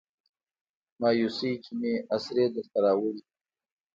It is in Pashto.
مایوسۍ کې مې اسرې درته راوړي